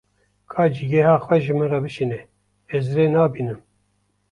Ka cîgeha xwe ji min re bişîne, ez rê nabînim.